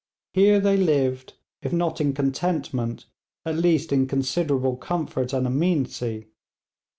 Here they lived if not in contentment at least in considerable comfort and amenity.